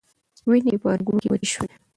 وینې یې په رګونو کې وچې شوې.